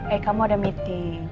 eh kamu ada meeting